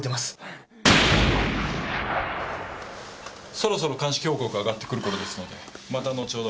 そろそろ鑑識報告が上がってくる頃ですのでまたのちほど。